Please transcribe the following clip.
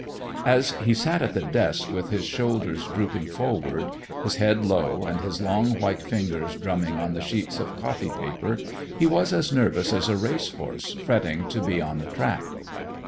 As he sat at the desk with his shoulders drooping forward, his head low, and his long, white fingers drumming on the sheets of copy paper, he was as nervous as a race horse fretting to be on the track.